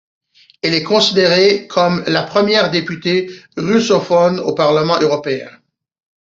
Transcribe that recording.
Elle est considérée comme la première députée russophone au Parlement européen.